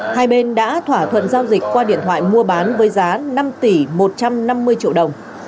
hai bên đã thỏa thuận giao dịch qua điện thoại mua bán với giá năm tỷ một trăm năm mươi triệu đồng